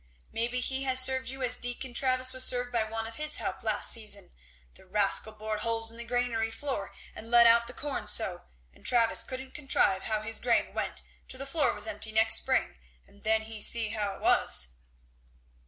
"Maybe he has served you as Deacon Travis was served by one of his help last season the rascal bored holes in the granary floor and let out the corn so, and Travis couldn't contrive how his grain went till the floor was empty next spring, and then he see how it was."